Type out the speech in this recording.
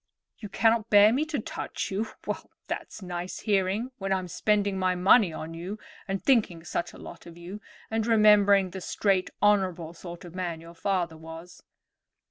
"You cannot bear me to touch you! Well, that's nice hearing when I'm spending my money on you and thinking such a lot of you, and remembering the straight honorable sort of man your father was."